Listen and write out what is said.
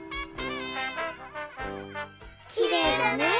・きれいだね